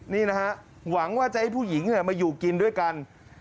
นี่นะฮะหวังว่าจะให้ผู้หญิงมาอยู่กินด้วยกัน